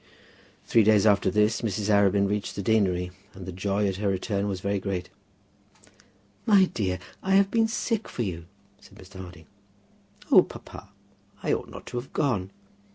Three days after this Mrs. Arabin reached the deanery, and the joy at her return was very great. "My dear, I have been sick for you," said Mr. Harding. "Oh, papa, I ought not to have gone."